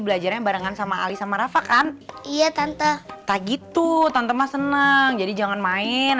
belajarnya barengan sama ali sama rafa kan iya tante gitu tante mah senang jadi jangan main